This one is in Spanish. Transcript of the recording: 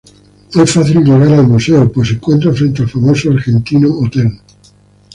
Es fácil llegar al museo, pues se encuentra frente al famoso Argentino Hotel.